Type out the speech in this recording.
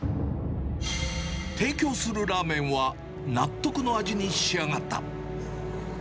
提供するラーメンは、納得の味に仕上がった。